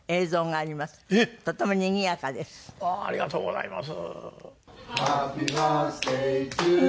「ありがとうございます！」